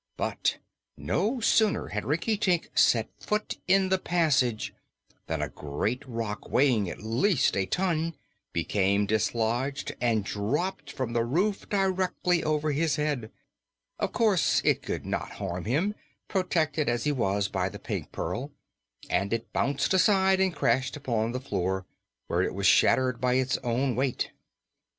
But no sooner had Rinkitink set foot in the passage than a great rock, weighing at least a ton, became dislodged and dropped from the roof directly over his head. Of course, it could not harm him, protected as he was by the Pink Pearl, and it bounded aside and crashed upon the floor, where it was shattered by its own weight.